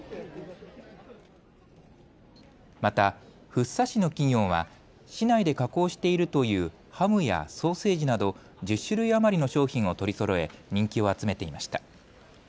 また福生市の企業は市内で加工しているというハムやソーセージなど１０種類余りの商品を取りそろえ人気を集めていました。